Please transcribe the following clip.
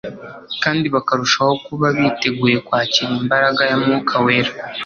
kandi bakarushaho kuba biteguye kwakira imbaraga ya mwuka wera